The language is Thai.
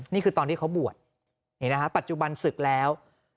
นี่คือตอนที่เขาบวชนี่นะฮะปัจจุบันศึกแล้ว